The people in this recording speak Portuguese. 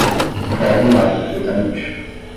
Foi alinhado perfeitamente.